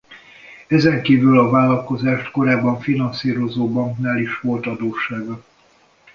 Ezen kívül a vállalkozást korábban finanszírozó banknál is volt adóssága.